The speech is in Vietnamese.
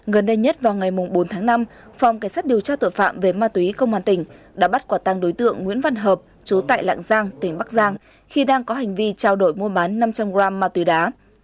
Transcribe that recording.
gần đây nhất vào ngày bốn tháng năm phòng cảnh sát điều tra tội phạm về ma túy công an tỉnh đã bắt quả tăng đối tượng nguyễn văn hợp chú tại lạng giang tỉnh bắc giang khi đang có hành vi trao đổi mua bán năm trăm linh g ma túy đá